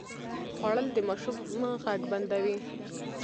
خوړل د ماشوم غږ بندوي